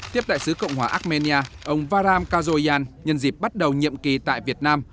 tiếp đại sứ cộng hòa armenia ông varam kazoyan nhân dịp bắt đầu nhiệm kỳ tại việt nam